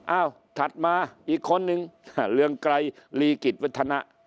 ถัดมาอีกคนนึงเรืองไกรลีกิจวัฒนะ